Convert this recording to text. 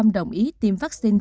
sáu mươi sáu đồng ý tiêm vaccine